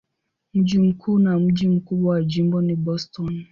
Mji mkuu na mji mkubwa wa jimbo ni Boston.